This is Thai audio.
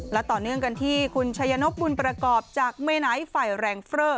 แล้วต่อเนื่องกันที่คุณชัยโยคบรริยากรประกอบจากเมนัติเฝร์แรงเฟอร์